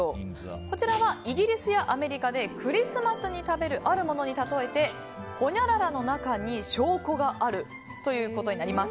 こちらはイギリスやアメリカでクリスマスに食べるあるものにたとえてほにゃららの中に証拠があるということになります。